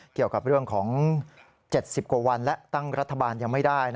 เกี่ยวกับเรื่องของ๗๐กว่าวันและตั้งรัฐบาลยังไม่ได้